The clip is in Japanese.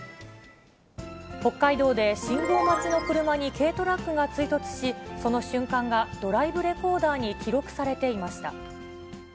北海道で信号待ちの車に軽トラックが追突し、その瞬間がドライブレコーダーに記録されていました。